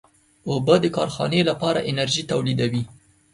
اوبه د کارخانې لپاره انرژي تولیدوي.